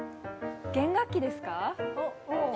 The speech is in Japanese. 弦楽器ですか？